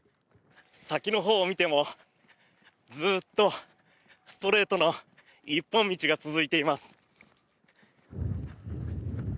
先のほうを見てもずっとストレートの一本道が続いています。